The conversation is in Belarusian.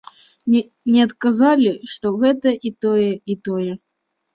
Мне адказалі, што гэта і тое, і тое.